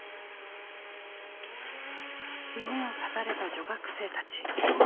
夢をたたれた女学生たち。